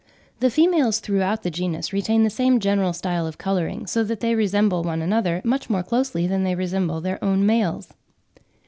The females throughout the genus retain the same general style of colouring, so that they resemble one another much more closely than they resemble their own males.